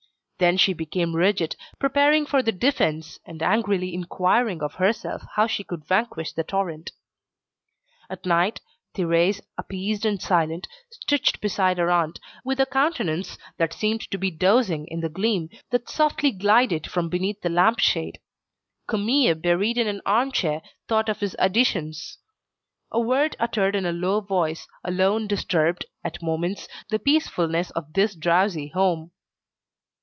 Then she became rigid, preparing for the defence, and angrily inquiring of herself how she could vanquish the torrent. At night, Thérèse, appeased and silent, stitched beside her aunt, with a countenance that seemed to be dozing in the gleam that softly glided from beneath the lamp shade. Camille buried in an armchair thought of his additions. A word uttered in a low voice, alone disturbed, at moments, the peacefulness of this drowsy home.